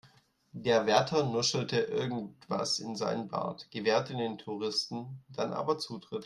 Der Wärter nuschelte irgendwas in seinen Bart, gewährte den Touristen dann aber Zutritt.